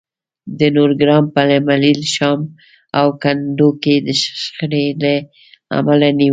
د نورګرام په ملیل، شام او کندو کې د شخړې له امله نیولي